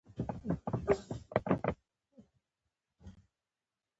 بانکونه د ښځو د اقتصادي خپلواکۍ ملاتړ کوي.